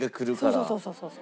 そうそうそうそう。